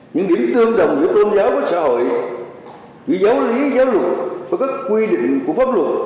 những điểm tương đồng giữa tôn giáo và xã hội giữa giáo lý giáo dục và các quy định của pháp luật